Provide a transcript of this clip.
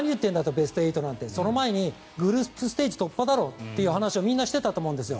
ベスト８なんてその前にグループステージ突破だろとみんなしていたと思うんです。